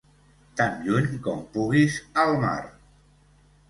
Tan lluny com puguis al mar.